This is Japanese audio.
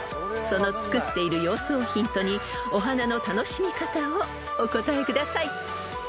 ［その作っている様子をヒントにお花の楽しみ方をお答えください］